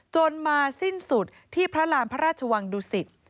จนมาสิ้นสุดที่พระรามพระราชวังดุสิต